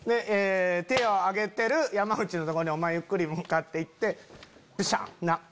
手を挙げてる山内のとこにお前ゆっくり向かって行ってピシャン！